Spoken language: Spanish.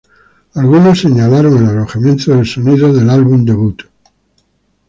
Algunos señalaron el alejamiento del sonido del álbum debut.